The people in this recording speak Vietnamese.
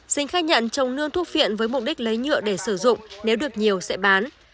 sinh khai nhận trồng nương thuốc viện với mục đích lấy nhựa để sử dụng nếu được nhiều sẽ bán